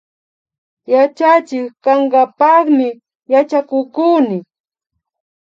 Yachachik kankapakmi yachakukuni